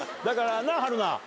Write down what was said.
だからなあ春菜。